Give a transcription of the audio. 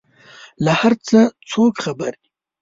له هر څه څوک خبر دي؟